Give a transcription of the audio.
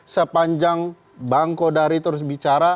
sepanjang bang kodari terus bicara